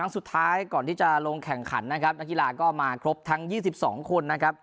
สุดท้ายก่อนที่จะลงแข่งขันนะครับนักกีฬาก็มาครบทั้ง๒๒คนนะครับ